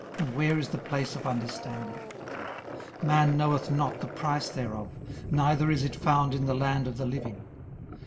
and where is the place of understanding? 18:028:013 Man knoweth not the price thereof; neither is it found in the land of the living.